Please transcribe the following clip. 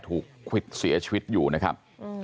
ควิดเสียชีวิตอยู่นะครับ